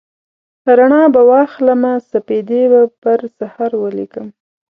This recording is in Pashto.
رڼا به واخلمه سپیدې به پر سحر ولیکم